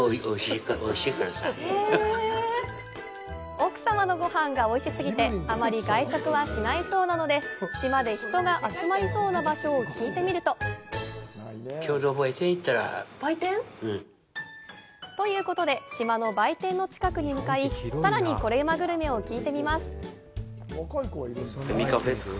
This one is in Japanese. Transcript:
奥様のごはんがおいしすぎてあまり外食はしないそうなので、島で人が集まりそうな場所を聞いてみるとということで、島の売店の近くに向かい、さらにコレうまグルメを聞いてみます！